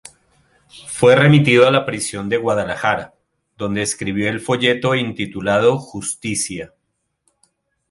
Fue remitido a la prisión de Guadalajara, donde escribió el folleto intitulado "¡Justicia!